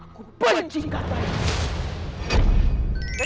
aku benci katanya